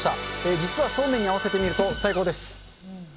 実はそうめんに合わせてみると最高です。